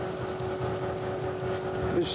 よし。